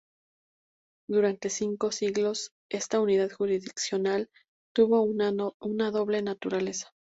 Durante cinco siglos, esta unidad jurisdiccional tuvo una doble naturaleza.